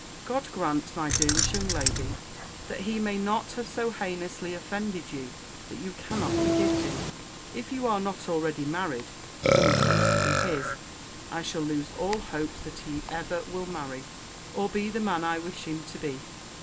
God grant, my dearest young lady, that he may not have so heinously offended you that you cannot forgive him! If you are not already married, and refuse to be his, I shall lose all hopes that he ever will marry, or be the man I wish him to be.